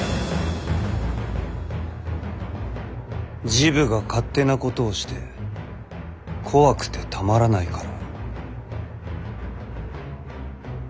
「治部が勝手なことをして怖くてたまらないから」。